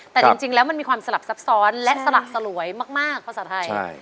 แต่จริงแล้วมันมีความสลับซับซ้อนและสละสลวยมากภาษาไทย